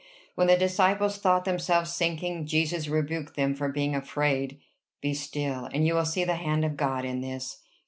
When the disciples thought themselves sinking, Jesus rebuked them for being afraid. Be still, and you will see the hand of God in this.